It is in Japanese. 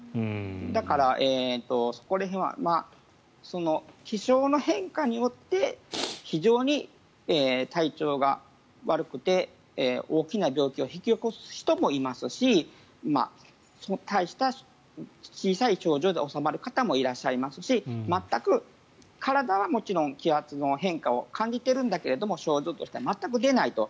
だから、そこら辺は気象の変化によって非常に体調が悪くて大きな病気を引き起こす人もいますし小さい症状で収まる方もいらっしゃいますし全く体はもちろん気圧の変化を感じているんだけど症状としては全く出ないと。